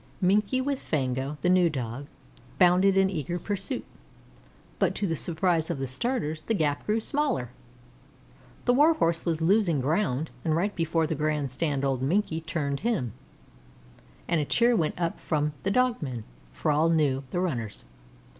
Minkie with Fango, the new Dog, bounded in eager pursuit, but, to the surprise of the starters, the gap grew smaller. The Warhorse was losing ground, and right before the Grand Stand old Minkie turned him, and a cheer went up from the dog men, for all knew the runners.